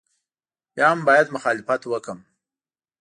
بیا هم باید مخالفت وکړم.